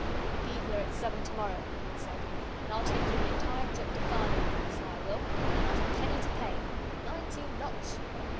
"Ye be here at seven to morrow," he had said, "and I'll take you the entire trip to Farley and back, so I will, and not a penny to pay. Nineteen locks!"